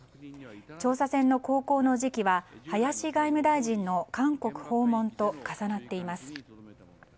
調査船の航行の時期は林外務大臣の韓国訪問と重なっています。